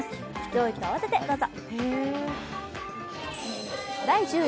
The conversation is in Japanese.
上位と合わせてどうぞ。